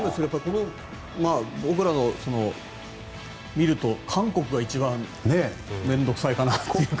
僕らから見ると韓国が一番面倒臭いかなというか。